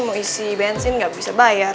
mau isi bensin nggak bisa bayar